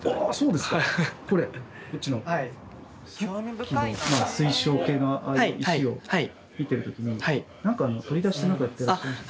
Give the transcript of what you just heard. さっきの水晶系の石を見てる時に何か取り出して何かやってらっしゃいました？